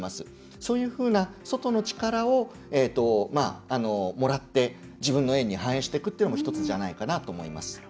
そういうような外の力をもらって自分の園に反映していくのも１つかなと思います。